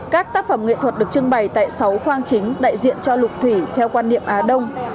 các tác phẩm nghệ thuật được trưng bày tại sáu khoang chính đại diện cho lục thủy theo quan niệm á đông